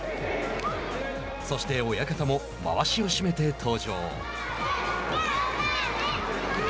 そして、親方もまわしを締めて登場。